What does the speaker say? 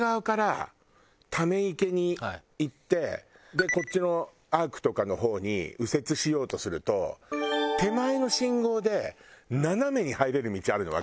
でこっちのアークとかの方に右折しようとすると手前の信号で斜めに入れる道あるのわかる？